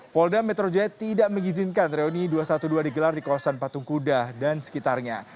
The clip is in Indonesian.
polda metro jaya tidak mengizinkan reuni dua ratus dua belas digelar di kawasan patung kuda dan sekitarnya